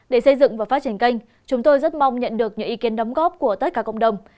để xây dựng và phát triển kênh chúng tôi rất mong nhận được những ý kiến đóng góp của tất cả cộng đồng